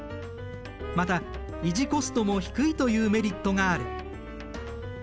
また維持コストも低いというメリットがある。